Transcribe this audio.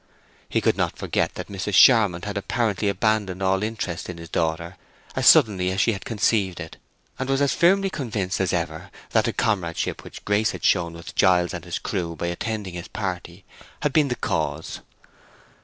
He could not forget that Mrs. Charmond had apparently abandoned all interest in his daughter as suddenly as she had conceived it, and was as firmly convinced as ever that the comradeship which Grace had shown with Giles and his crew by attending his party had been the cause.